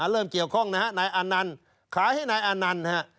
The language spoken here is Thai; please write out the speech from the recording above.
เริ่มเกี่ยวข้องนะครับนายอันนั่นขายให้นายอันนั่นนะครับ